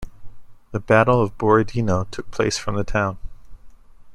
The Battle of Borodino took place from the town.